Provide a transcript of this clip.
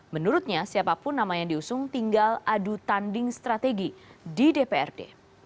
menurutnya siapapun nama yang diusung tinggal adu tanding strategi di dprd